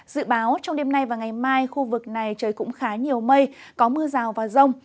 dự báo trong đêm nay và ngày mai khu vực này trời cũng khá nhiều mây có mưa rào và rông